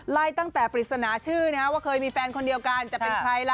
ไล่ตั้งแต่ปริศนาชื่อว่าเคยมีแฟนคนเดียวกันจะเป็นใครล่ะ